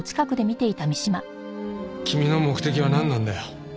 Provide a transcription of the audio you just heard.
君の目的はなんなんだよ？